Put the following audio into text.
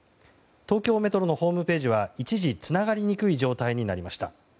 東京メトロのホームページは一時つながりにくい状態になりました。